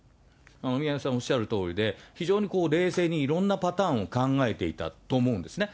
宮根さんおっしゃるとおりで、非常に冷静にいろんなパターンを考えていたんと思うんですね。